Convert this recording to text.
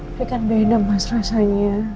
ini kan beda mas rasanya